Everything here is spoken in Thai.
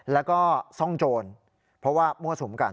แล้วก็ซ่องโจรเพราะว่ามั่วสุมกัน